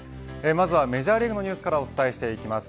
まずはメジャーリーグのニュースからお伝えしていきます。